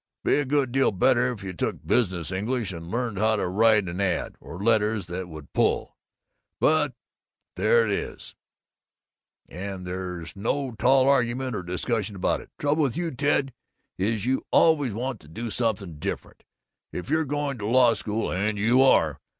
Be a good deal better if you took Business English, and learned how to write an ad, or letters that would pull. But there it is, and there's no talk, argument, or discussion about it! Trouble with you, Ted, is you always want to do something different! If you're going to law school and you are!